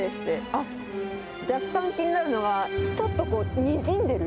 あっ、若干気になるのが、ちょっとこう、にじんでる。